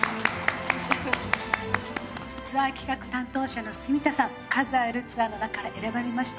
ツアー企画担当者の角田さん数あるツアーの中から選ばれました。